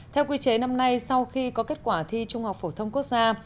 theo quy chế năm nay sau khi có kết quả thi trung học phổ thông quốc gia